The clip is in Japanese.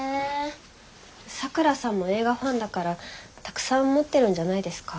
さくらさんも映画ファンだからたくさん持ってるんじゃないですか？